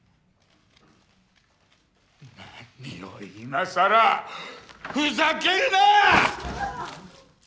何を今更ふざけるな！